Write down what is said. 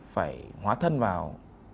phải hóa thân vào